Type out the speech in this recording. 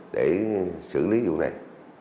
để xử lý vụ này